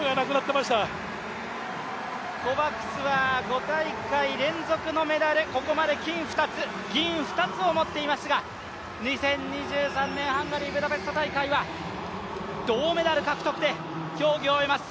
コバクスは５大会連続のメダル、ここまで金２つ、銀２つを持っていましたが、２０２３年ハンガリー・ブダペスト大会は銅メダル獲得で競技を終えます。